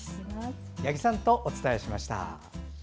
八木さんとお伝えしました。